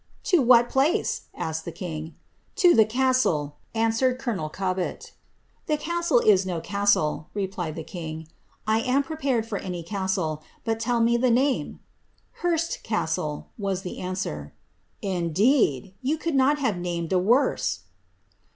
^ To what placer" asked the king. ^ To the castle," answered colonel CobbetL ^ The castle is no castle," replied the king. ^^ J am prepared for any castle; but tell me the name?" ^ Hurst castle," was the answer. ^Indeed! vou could not have named a worse."